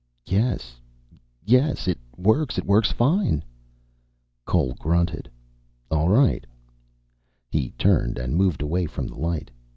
"Yes. Yes, it works. It works fine." Cole grunted. "All right." He turned and moved away from the light.